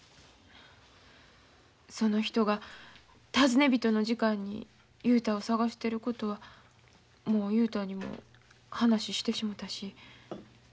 その人が尋ね人の時間に雄太を捜してることはもう雄太にも話してしもたし。